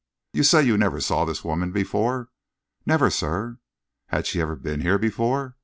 "You say you never saw the woman before?" "Never, sir." "Had she ever been here before?"